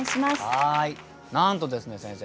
なんとですね先生